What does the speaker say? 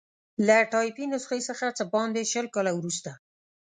له ټایپي نسخې څخه څه باندې شل کاله وروسته.